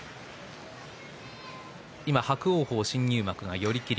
伯桜鵬、新入幕、寄り切り。